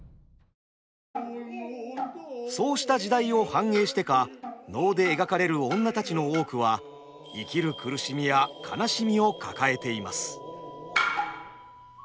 そうした時代を反映してか能で描かれる女たちの多くは生きる苦しみや悲しみを抱えています。